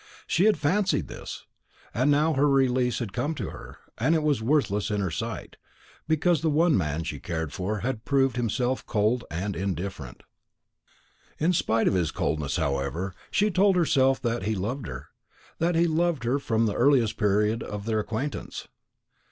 She had fancied this; and now her release had come to her, and was worthless in her sight, because the one man she cared for had proved himself cold and indifferent. In spite of his coldness, however, she told herself that he loved her, that he had loved her from the earliest period of their acquaintance.